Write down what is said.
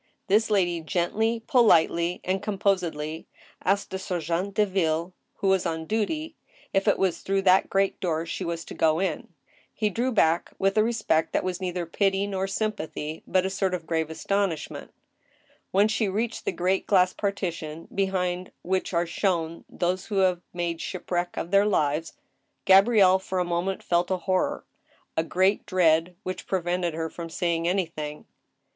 This lady gently, politely, and composedly asked a sergent^de vilh, who was on duty, if it was through that great door she was to go in ? He drew back#rith a respect that was neither pity nor sympa thy, but a sort of grave astonishment. When she reached the great glass partition behind which are TkE JUDGMENT OF GOD. 175 shown those who have made shipwreck of their lives, GabrieHe for a moment felt a horror — ^a great dread — ^which prevented her from seeing anything.